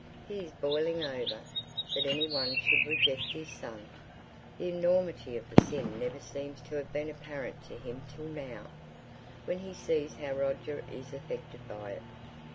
He is boiling over, that any one should reject his son! The enormity of the sin never seems to have been apparent to him till now, when he sees how Roger is affected by it.